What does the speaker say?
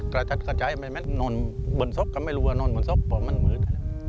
กระจัดกระจายนอนบนศพก็ไม่รู้ว่านอนบนศพเพราะมันมืด